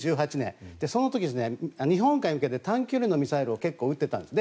その時日本海に向けて短距離ミサイルを結構撃っていたんです。